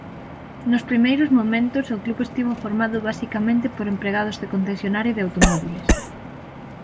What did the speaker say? Nos primeiros momentos o club estivo formado basicamente por empregados do concesionario de automóbiles.